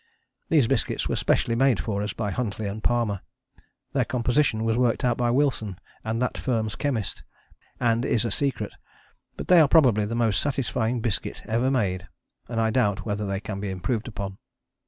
These biscuits were specially made for us by Huntley and Palmer: their composition was worked out by Wilson and that firm's chemist, and is a secret. But they are probably the most satisfying biscuit ever made, and I doubt whether they can be improved upon.